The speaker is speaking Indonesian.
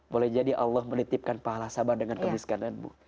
boleh jadi allah menitipkan pahala sabar dengan kemiskinanmu